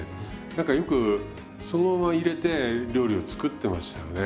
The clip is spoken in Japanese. なんかよくそのまま入れて料理を作ってましたよね。